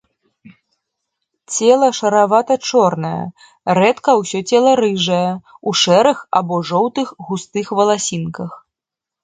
Цела шаравата-чорнае, рэдка ўсё цела рыжае, у шэрых або жоўтых густых валасінках.